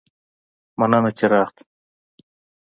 مننه چې راغلي